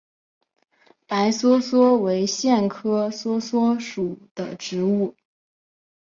白梭梭为苋科梭梭属的植物。